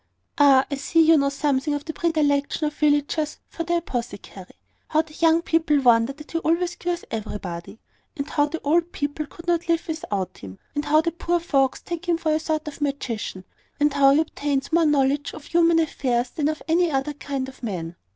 "Ah, I see you know something of the predilection of villagers for their apothecary, how the young people wonder that he always cures everybody; and how the old people could not live without him; and how the poor folks take him for a sort of magician; and how he obtains more knowledge of human affairs than any other kind of man.